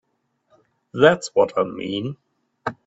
That's what I mean.